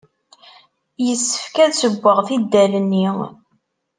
Yessefk ad ssewweɣ tidal-nni.